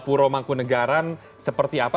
di puromangkunegaraan seperti apa